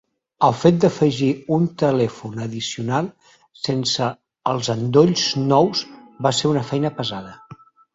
El fet d'afegir un telèfon addicional sense els endolls nous va ser una feina pesada.